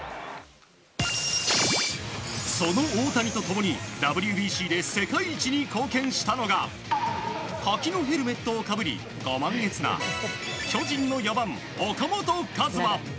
その大谷と共にＷＢＣで世界一に貢献したのが柿のヘルメットをかぶりご満悦な巨人の４番、岡本和真。